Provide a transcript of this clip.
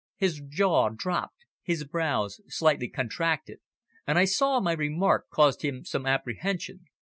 His jaw dropped, his brows slightly contracted, and I saw my remark caused him some apprehension.